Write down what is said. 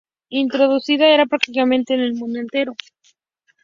Introducida en prácticamente el mundo entero.